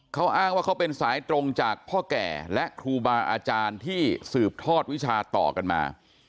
เขาอ้างว่าเขาเป็นสายตรงจากพ่อแก่และครูบาอาจารย์ที่สืบทอดวิชาต่อกันมา